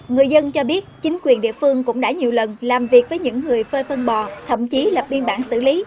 người dân cho biết chính quyền địa phương cũng đã nhiều lần làm việc với những người phơi phân bò thậm chí lập biên bản xử lý